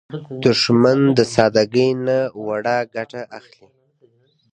دښمن د سادګۍ نه ناوړه ګټه اخلي